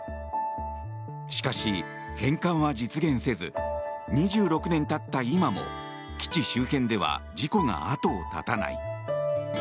しかし、返還は実現せず２６年経った今も、基地周辺では事故が後を絶たない。